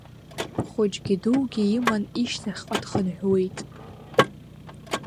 Хәыҷгьы дугьы иман ишьҭахьҟа дхынҳәуеит.